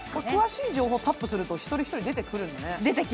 詳しい情報をタップすると、一人一人出てくるんだね。